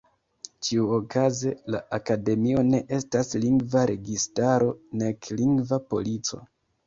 Ĉiuokaze la Akademio ne estas lingva registaro, nek lingva polico.